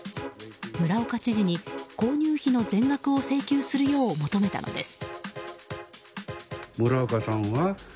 村岡知事に購入費の全額を請求するよう求めたのです。